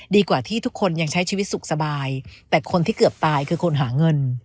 ดีกว่าที่ทุกคนยังใช้ชีวิตสุขสบายแต่คนที่เกือบตายคือคนหาเงิน